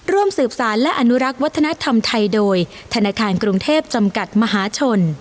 ร่วมสืบสารและอนุรักษ์วัฒนธรรมไทยโดยธนาคารกรุงเทพจำกัดมหาชน